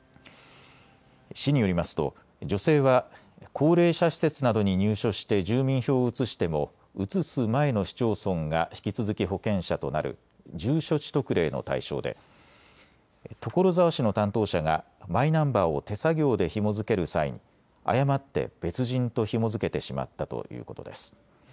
市によりますと女性は高齢者施設などに入所して住民票を移しても移す前の市町村が引き続き保険者となる住所地特例の対象で所沢市の担当者がマイナンバーを手作業でひも付ける際に誤って別人とひも付けてしまったということです。